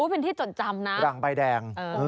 อู๊ยเป็นที่จนจำน่ะรังใบแดง